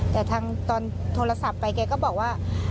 แต่ทางตอนโทรศัพท์ไปแกก็บอกว่า